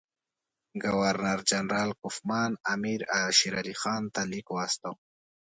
ګورنر جنرال کوفمان امیر شېرعلي خان ته لیک واستاوه.